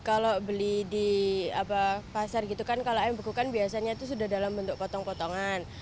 kalau beli di pasar gitu kan kalau ayam beku kan biasanya itu sudah dalam bentuk potong potongan